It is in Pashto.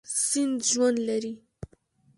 سیند ژوند لري.